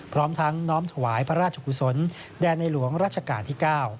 พร้อมทั้งน้อมถวายพระราชกุศลแด่ในหลวงราชการที่๙